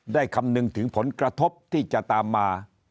คำนึงถึงผลกระทบที่จะตามมา